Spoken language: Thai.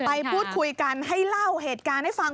ไปพูดคุยกันให้เล่าเหตุการณ์ให้ฟัง